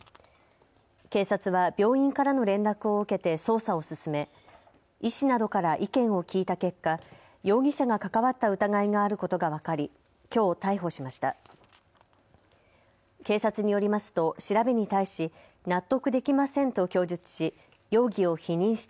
警察は病院からの連絡を受けて捜査を進め医師などから意見を聞いた結果、容疑者が関わった疑いがあることが分かり、きょう逮捕しました。